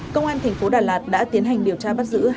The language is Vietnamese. công an tp đà lạt đã tiến hành điều tra bắt giữ